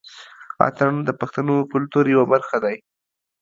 اتڼ د پښتنو کلتور يوه برخه دى.